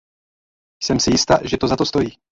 Jsem si jista, že to za to stojí.